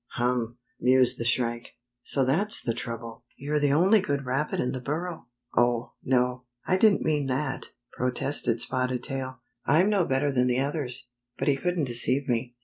Hum! " mused the Shrike. " So that's the trouble! You're the only good rabbit in the burrow?" " Oh, no, I didn't mean that," protested Spotted Tail. "I'm no better than the others, but he couldn't deceive me.